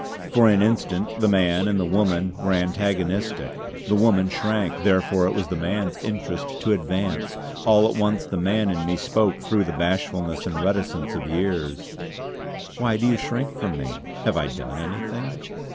For an instant the man and the woman were antagonistic. The woman shrank, therefore it was the man's interest to advance; all at once the man in me spoke through the bashfulness and reticence of years: "Why do you shrink from me? Have I done anything?"